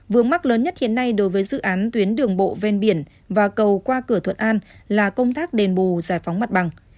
vướng mắt lớn nhất hiện nay đối với dự án tuyến đường bộ ven biển và cầu qua cửa thuận an là công tác đền bù giải phóng mặt bằng